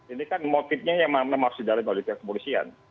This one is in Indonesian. ini kan motifnya yang namanya mausidara dan kemulisian